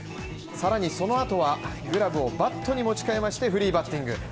更にそのあとは、グラブをバットに持ち替えましてフリーバッティング。